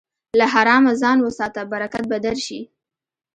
له حرامه ځان وساته، برکت به درشي.